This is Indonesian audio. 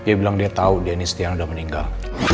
dia bilang dia tahu denise tian udah meninggal